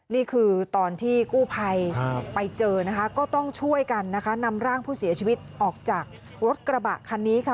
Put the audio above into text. นี่คือตอนที่กู้ภัยไปเจอนะคะก็ต้องช่วยกันนะคะนำร่างผู้เสียชีวิตออกจากรถกระบะคันนี้ค่ะ